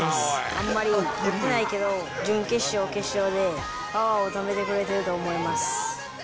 あんまり打ってないけど、準決勝、決勝でパワーをためてくれてると思います。